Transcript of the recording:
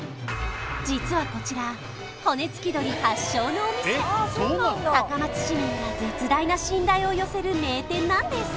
実はこちら骨付鳥発祥のお店高松市民が絶大な信頼を寄せる名店なんです！